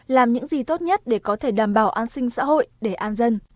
làm những gì tốt nhất để có thể đảm bảo an sinh xã hội để an dân